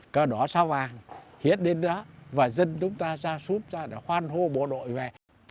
cờ đỏ sao vàng hiết đến đó và dân chúng ta ra sút ra để khoan hô bộ đội về